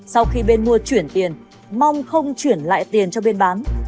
sau khi bên mua chuyển tiền mong không chuyển lại tiền cho bên bán